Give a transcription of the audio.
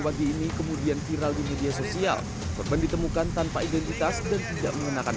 pagi ini kemudian viral di media sosial korban ditemukan tanpa identitas dan tidak mengenakan